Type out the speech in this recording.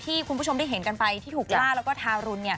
คุณผู้ชมได้เห็นกันไปที่ถูกล่าแล้วก็ทารุณ